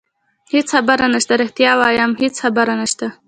هېڅ خبره نشته، رښتیا وایم هېڅ خبره نشته.